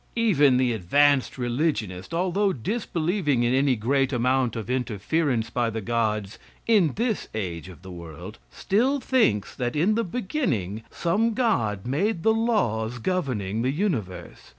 Even the advanced religionist, although disbelieving in any great amount of interference by the gods in this age of the world, still thinks that in the beginning some god made the laws governing the universe.